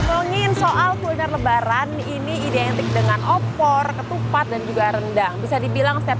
ngomongin soal kuliner lebaran ini identik dengan opor ketupat dan juga rendang bisa dibilang setiap